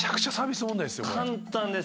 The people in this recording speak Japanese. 簡単です。